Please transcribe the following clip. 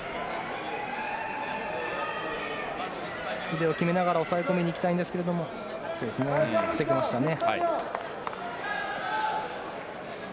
腕を決めながら抑え込みに行きたいんですが防ぎましたね。